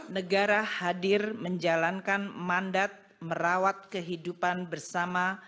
negara hadir menjalankan mandat merawat kehidupan bersama